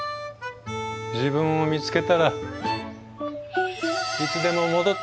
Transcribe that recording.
自分を見つけたらいつでも戻っておいで。